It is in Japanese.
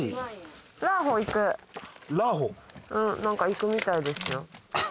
何か行くみたいですよ